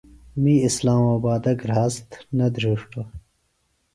می اسلام آبادہ گھراست نہ دھرِیݜٹوۡ۔